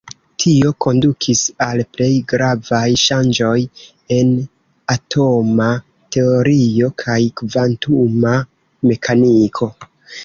Tio kondukis al plej gravaj ŝanĝoj en atoma teorio kaj kvantuma mekaniko.